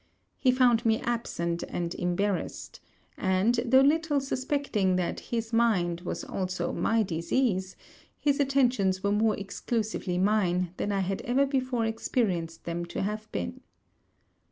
He found me absent and embarrassed; and, though little suspecting that his mind was also my disease, his attentions were more exclusively mine, than I had ever before experienced them to have been.